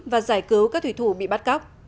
và giải cứu các thủy thủ bị bắt cóc